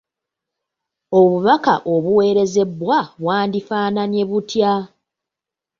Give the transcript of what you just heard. Obubaka obuweerezebwa bwandifaananye butya?